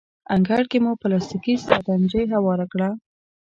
انګړ کې مو پلاستیکي سترنجۍ هواره کړه.